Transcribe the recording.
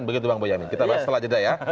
begitu bang boyamin kita bahas selanjutnya ya